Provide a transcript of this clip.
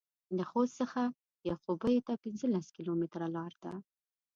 د خوست څخه يعقوبيو ته پنځلس کيلومتره لار ده.